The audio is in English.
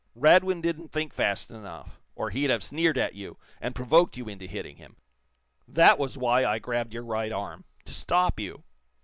Radwin didn't think fast enough, or he'd have sneered at you, and provoked you into hitting him. That was why I grabbed your right arm to stop you.